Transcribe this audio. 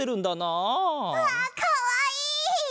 うわかわいい！